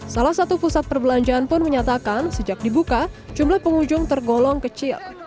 salah satu pusat perbelanjaan pun menyatakan sejak dibuka jumlah pengunjung tergolong kecil